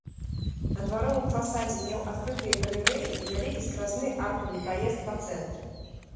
На дваровым фасадзе меў адкрытыя галерэі і вялікі скразны аркавы праезд па цэнтры.